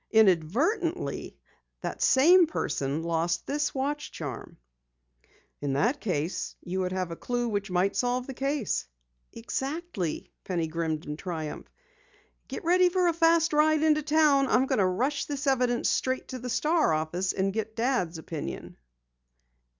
Inadvertently, that same person lost this watch charm." "In that case, you would have a clue which might solve the case." "Exactly," Penny grinned in triumph. "Get ready for a fast ride into town. I'm going to rush this evidence straight to the Star office and get Dad's opinion."